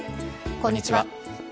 こんにちは。